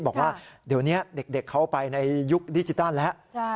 บอกว่าเดี๋ยวนี้เด็กเขาไปในยุคดิจิตัลแล้ว